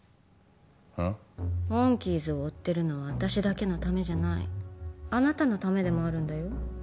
うん？モンキーズを追ってるのは私だけのためじゃないあなたのためでもあるんだよ